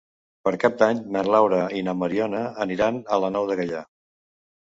Per Cap d'Any na Laura i na Mariona aniran a la Nou de Gaià.